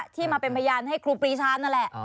ที่มาเป็นพยานให้ครูปรีชานั่นแหละ